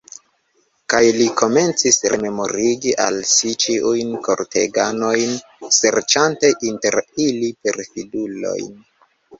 Kaj li komencis rememorigi al si ĉiujn korteganojn, serĉante inter ili perfidulojn.